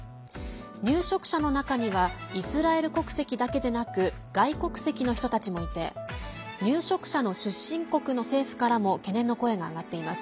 入植者の中にはイスラエル国籍だけでなく外国籍の人たちもいて入植者の出身国の政府からも懸念の声が上がっています。